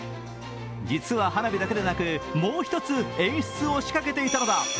実は花火だけでなくもう一つ演出を仕掛けていたのだ。